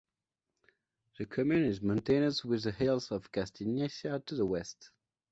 The commune is mountainous with the hills of Castagnicia to the west.